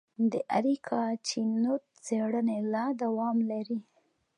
د اریکا چینوت څېړنې لا دوام لري.